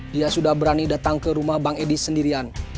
dia sudah berani datang ke rumah bang edi sendirian